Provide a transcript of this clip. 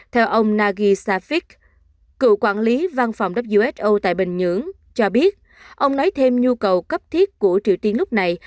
theo ông nagy safik cựu quản lý văn phòng who tại bình nhưỡng cho biết ông nói thêm nhu cầu cấp thiết của triều tiên lúc này